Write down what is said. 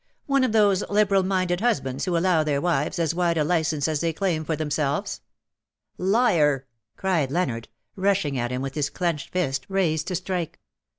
" One of those liberal minded husbands who allow their wives as wide a license as they claim for them selves/' *^ Liar/' cried Leonard^ rushing at him with his clenched fist raised to strike.